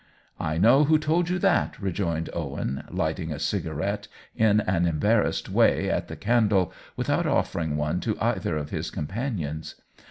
"I know who told you that," rejoined Owen, lighting a cigarette in an embar rassed way at the candle, without offering one to either of his companions.